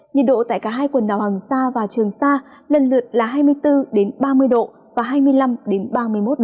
nhiệt độ tại cả hai quần đảo hoàng sa và trường sa lần lượt là hai mươi bốn ba mươi độ và hai mươi năm ba mươi một độ